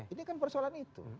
ini kan persoalan itu